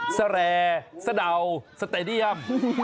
สแรสดาวสเตดียม